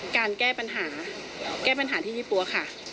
การแก้ปัญหาแก้ปัญหาที่ยี่ปั๊วค่ะ